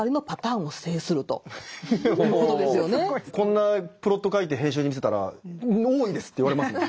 こんなプロット書いて編集に見せたら多いですって言われますもん。